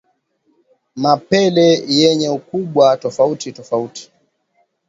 Mapele yenye ukubwa tofauti tofauti